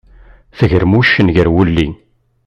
Tegrem uccen gar wulli.